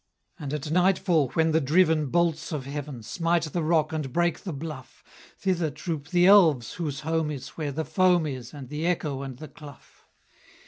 And at nightfall, when the driven Bolts of heaven Smite the rock and break the bluff, Thither troop the elves whose home is Where the foam is, And the echo and the clough.